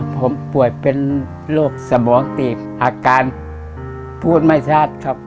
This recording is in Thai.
ผมป่วยเป็นโรคสมองตีบอาการพูดไม่ชัดครับ